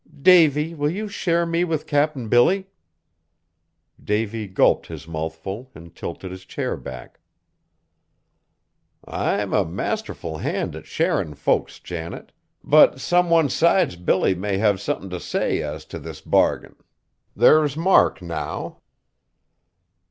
"Davy, will you share me with Cap'n Billy?" Davy gulped his mouthful and tilted his chair back. "I'm a masterful hand at sharin' folks, Janet, but some one 'sides Billy may have something t' say as t' this bargain. There's Mark, now."